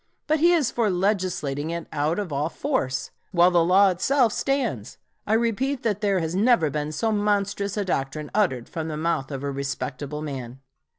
But he is for legislating it out of all force, while the law itself stands. I repeat that there has never been so monstrous a doctrine uttered from the mouth of a respectable man.